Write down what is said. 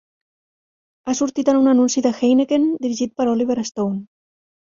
Ha sortit en un anunci de Heineken dirigit per Oliver Stone.